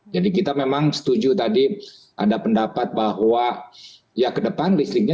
jadi kita memang setuju tadi ada pendapat bahwa